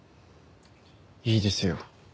いいですよ。